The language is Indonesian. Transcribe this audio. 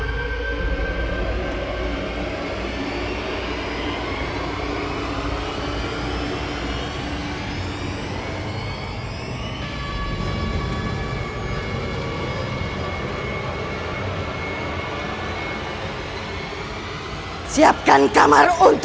kamu pasti akan menang